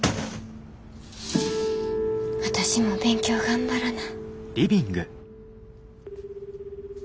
私も勉強頑張らな。